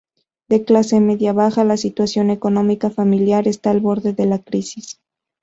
De clase media baja, la situación económica familiar está al borde de la crisis.